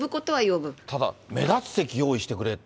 ただ、目立つ席用意してくれって。